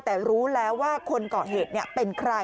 แต่รู้แล้วว่าคนก่อเหตุเป็นใคร